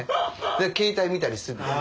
で携帯見たりするんだよ。